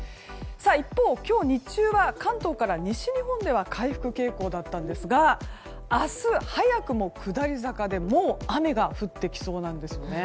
一方、今日日中は関東から西日本では回復傾向だったんですが明日、早くも下り坂で雨が降ってきそうなんですよね。